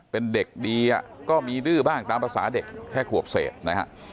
เป็นเด็กดีก็มีดื้อบ้างตามภาษาเด็กแค่ขวบเศษนะฮะ